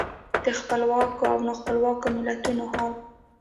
د خپلواکو او نا خپلواکو ملتونو حال.